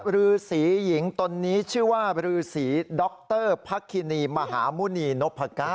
ฤษีหญิงตนนี้ชื่อว่ารือสีดรพักคินีมหาหมุณีนพก้าว